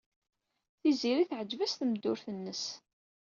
Tiziri teɛjeb-as tmeddurt-nnes.